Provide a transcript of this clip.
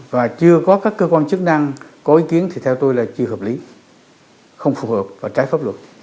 và chưa có các cơ quan chức năng có ý kiến thì theo tôi là chưa hợp lý không phù hợp và trái pháp luật